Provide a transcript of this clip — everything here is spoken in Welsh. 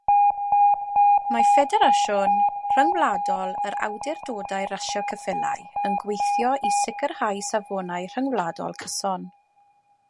Mae Ffederasiwn Rhyngwladol yr Awdurdodau Rasio Ceffylau yn gweithio i sicrhau safonau rhyngwladol cyson.